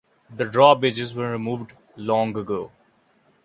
The drawbridges were removed long ago.